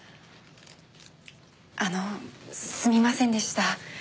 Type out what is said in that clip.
あのすみませんでした